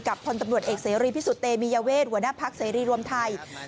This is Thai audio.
กับพตำรวจเอกเสียรีพิสุทธิ์เตมียเวทหัวหน้าพลักษณ์เสียรีรวมไทย